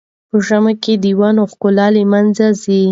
په ژمي کې د ونو ښکلا له منځه ځي.